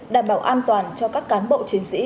đảm bảo an toàn cho các cán bộ chiến sĩ